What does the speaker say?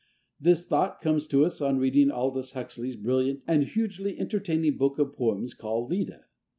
This thought comes to us on reading Aldous Huxley's brilliant and hugely entertaining book of poems called "Leda."